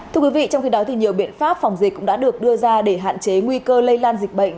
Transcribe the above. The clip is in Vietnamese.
thưa quý vị trong khi đó nhiều biện pháp phòng dịch cũng đã được đưa ra để hạn chế nguy cơ lây lan dịch bệnh